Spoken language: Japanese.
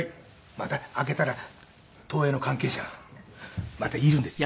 また開けたら東映の関係者がまたいるんですよ。